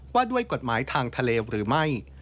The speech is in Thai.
ว่าด้วยกฎหมายทางทะเลหรือไม่